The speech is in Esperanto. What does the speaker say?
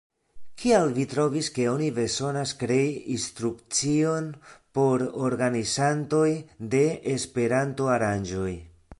Kial vi trovis, ke oni bezonas krei instrukcion por organizantoj de Esperanto-aranĝoj?